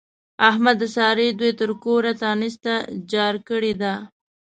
احمد د سارا دوی تر کوره تانسته جار کړې ده.